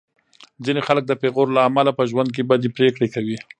ځینې خلک د پېغور له امله په ژوند کې بدې پرېکړې کوي.